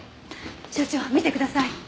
所長見てください！